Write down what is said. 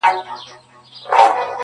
ځوان په لوړ ږغ_